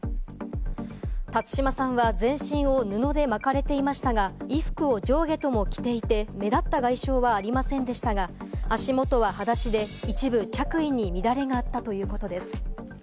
辰島さんは全身を布で巻かれていましたが、衣服を上下とも着ていて、目立った外傷はありませんでしたが、足元は、はだしで一部着衣に乱れがあったということです。